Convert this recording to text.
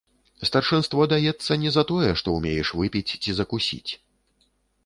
Старшынство даецца не за тое, што ўмееш выпіць ці закусіць.